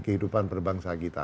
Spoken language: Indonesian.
kehidupan perbangsa kita